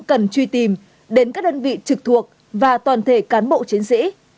cần truy tìm đến các đơn vị trực thuộc và toàn thể cán bộ chiến sĩ